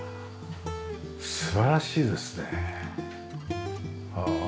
素晴らしいですね。